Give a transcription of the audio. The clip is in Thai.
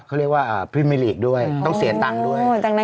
เขาเรียกว่าพรีเมอร์ลีกด้วยต้องเสียตังค์ด้วย